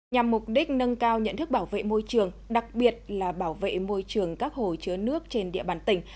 nhằm mục đích nâng cao nhận thức bảo vệ môi trường đặc biệt là bảo vệ môi trường các hồ chứa nước trên địa bàn tỉnh